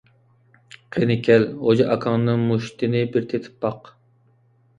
قېنى كەل، غوجا ئاكاڭنىڭ مۇشتتىنى بىر تېتىپ باق!